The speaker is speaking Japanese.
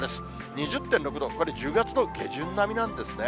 ２０．６度、これ、１０月の下旬並みなんですね。